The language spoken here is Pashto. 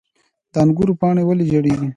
د انګورو پاڼې ولې ژیړیږي؟